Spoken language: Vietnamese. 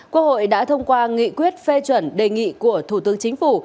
quốc hội đã thông qua nghị quyết phê chuẩn đề nghị của thủ tướng chính phủ